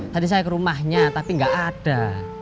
tadi saya ke rumahnya tapi nggak ada